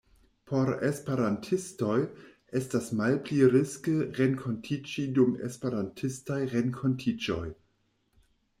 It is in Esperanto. Por Esperantistoj, estas malpli riske renkontiĝi dum Esperantistaj renkontiĝoj.